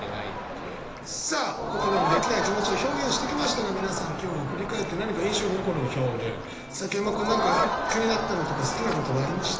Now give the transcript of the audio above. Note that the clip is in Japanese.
さあ言葉にできない気持ちを表現してきましたが皆さん今日振り返って何か印象に残る表現崎山君何か気になったのとか好きな言葉ありました？